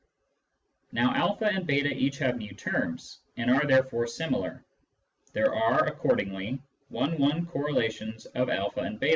Now a and {$ each have p terms, and are therefore similar. There are, accordingly, one one cor relations of o and ]8.